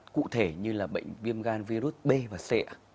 cụ thể như là bệnh viêm gan virus b và c